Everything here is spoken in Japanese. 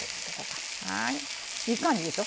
いい感じでしょ